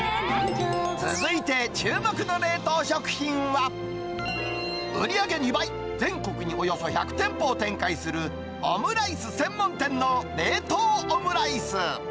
続いて注目の冷凍食品は、売り上げ２倍、全国におよそ１００店舗を展開する、オムライス専門店の冷凍オムライス。